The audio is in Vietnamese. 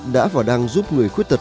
đã và đang giúp người khuyết tật